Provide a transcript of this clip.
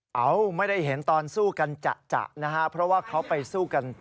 อ้าวท่าคอไม่ได้เห็นช้ากันจากเพราะว่าจะไปสู้กัน